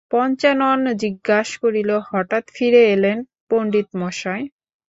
পঞ্চানন জিজ্ঞাস করিল, হঠাৎ ফিরে এলেন পণ্ডিত মশায়?